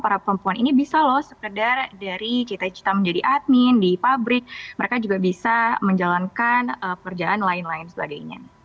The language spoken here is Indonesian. para perempuan ini bisa loh sekedar dari cita cita menjadi admin di pabrik mereka juga bisa menjalankan pekerjaan lain lain sebagainya